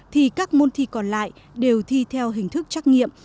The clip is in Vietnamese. thì các môn thi còn lại đều thi theo hình thức trắc nghiệm